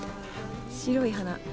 白い花。